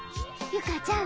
ゆかちゃん